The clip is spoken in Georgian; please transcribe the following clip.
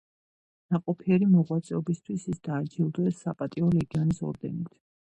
ნაყოფიერი მოღვაწეობისთვის ის დააჯილდოეს საპატიო ლეგიონის ორდენით.